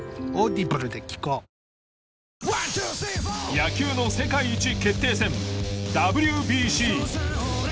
野球の世界一決定戦ＷＢＣ。